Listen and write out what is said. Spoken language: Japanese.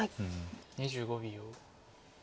２５秒。